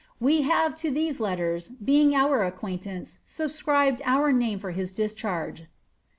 We have lo these letters, being our acquittance, subscribed our name for his discharge.